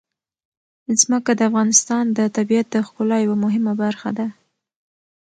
ځمکه د افغانستان د طبیعت د ښکلا یوه مهمه برخه ده.